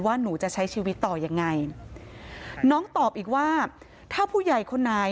หนูจะใช้ชีวิตต่อยังไงน้องตอบอีกว่าถ้าผู้ใหญ่คนไหน